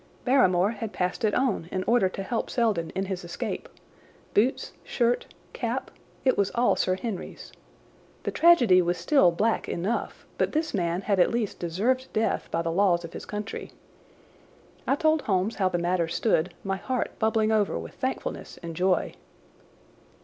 Barrymore had passed it on in order to help Selden in his escape. Boots, shirt, cap—it was all Sir Henry's. The tragedy was still black enough, but this man had at least deserved death by the laws of his country. I told Holmes how the matter stood, my heart bubbling over with thankfulness and joy.